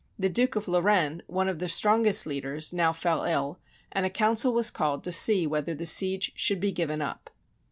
The Duke of Lor raine, one of their strongest leaders, now fell ill, and a council was called to see whether the siege should be given up.